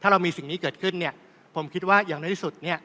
ถ้าเรามีสิ่งนี้เกิดขึ้นผมคิดว่าอย่างน้อยที่สุด